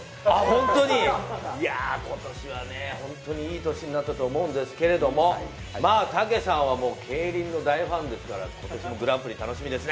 本当に、今年は本当にいい年になったと思うんですけれども、武さんはもう競輪の大ファンですから、グランプリ楽しみですね。